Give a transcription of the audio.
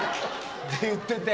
って言ってて。